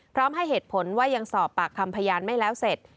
ให้เหตุผลว่ายังสอบปากคำพยานไม่แล้วเสร็จ